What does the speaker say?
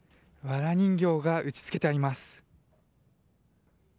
わら人形が打ち付けてあります。